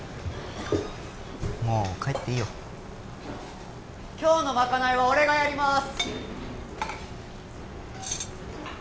もう帰っていいよ今日のまかないは俺がやります